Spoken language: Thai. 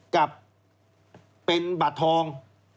กับเป็นบัตรทอง